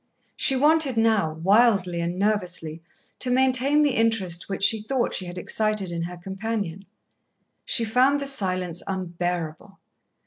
She wanted now, wildly and nervously, to maintain the interest which she thought she had excited in her companion. She found the silence unbearable.